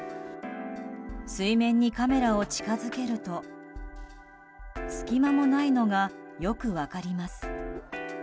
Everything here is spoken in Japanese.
水面にカメラを近づけると隙間もないのがよく分かります。